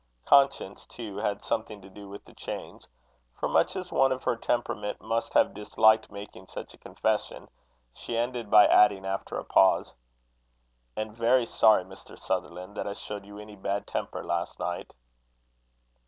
Conscience, too, had something to do with the change; for, much as one of her temperament must have disliked making such a confession, she ended by adding, after a pause: "And very sorry, Mr. Sutherland, that I showed you any bad temper last night."